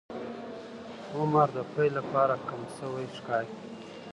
عمر د پیل لپاره کم شوی ښکاري.